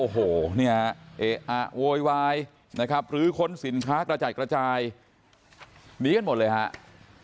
หรือคนสินค้ากระจัดกระจายหนีกันหมดเลยครับ